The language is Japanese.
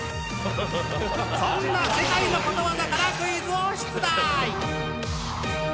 そんな世界のことわざからクイズを出題！